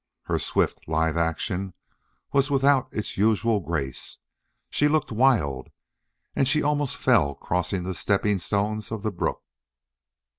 Her swift, lithe action was without its usual grace. She looked wild, and she almost fell crossing the stepping stones of the brook.